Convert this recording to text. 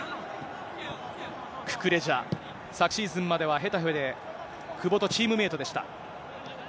ククレジャ、昨シーズンまではヘタフェで久保とチームメートでした。